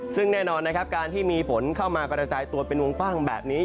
ซึ่งแน่นอนนะครับการที่มีฝนเข้ามากระจายตัวเป็นวงกว้างแบบนี้